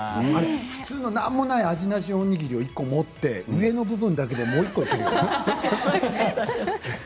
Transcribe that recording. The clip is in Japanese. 普通の何もない味の塩おにぎりを１個持って行って上の部分だけでもう１個いけるよね。